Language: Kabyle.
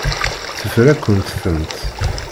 Teffer-akent-tent.